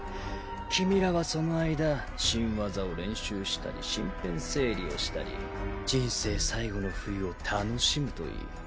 君らはその間新技を練習したり身辺整理をしたり人生最後の冬を楽しむといい。